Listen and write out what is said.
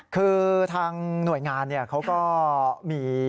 คือทางหน่วยงานเขาก็มี